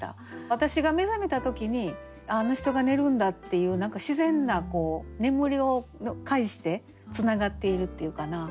私が目覚めた時にあの人が寝るんだっていう何か自然な眠りを介してつながっているっていうかな。